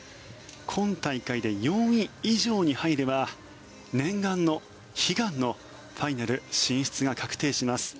今大会で４位以上に入れば念願の、悲願のファイナル進出が確定します。